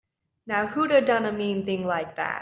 Now who'da done a mean thing like that?